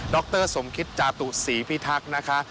รสมคิตจาตุศรีพิทักษ์นะคะ